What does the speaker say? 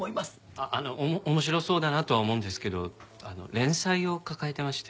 あっあの面白そうだなとは思うんですけど連載を抱えてまして今。